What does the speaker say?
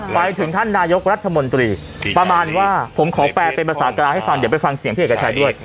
ไปถึงท่านนายกรัฐมนตรีประมาณว่าผมขอแปลเป็นภาษากลางให้ฟังเดี๋ยวไปฟังเสียงพี่เอกชัยด้วย